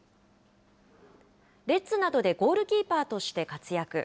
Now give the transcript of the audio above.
レッズなどでゴールキーパーとして活躍。